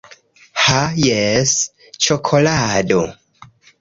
Ha jes, ĉokolado